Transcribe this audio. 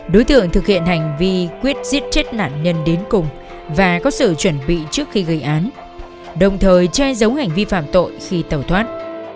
đối tượng thực hiện hành vi quyết giết chết nạn nhân đến cùng và có sự chuẩn bị trước khi gây án đồng thời che giấu hành vi phạm tội khi tàu thoát